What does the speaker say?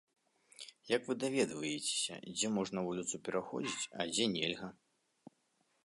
Як вы даведваецеся, дзе можна вуліцу пераходзіць, а дзе нельга?